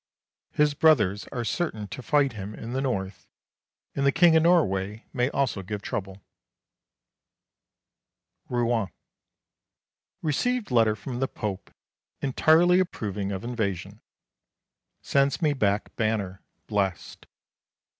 His brothers are certain to fight him in the North, and the King of Norway may also give trouble. Rouen. Received letter from the Pope entirely approving of invasion. Sends me back banner, blessed.